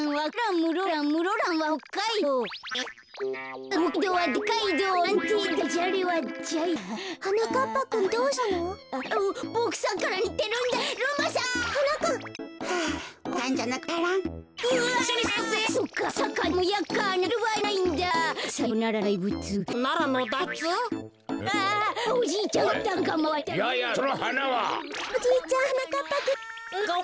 はなかっ